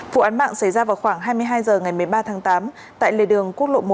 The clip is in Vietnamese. vụ án mạng xảy ra vào khoảng hai mươi hai h ngày một mươi ba tháng tám tại lề đường quốc lộ một